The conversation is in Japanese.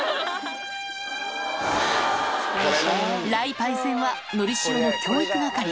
雷パイセンはのりしおの教育係。